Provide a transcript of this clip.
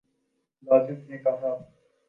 ملازم نے کہا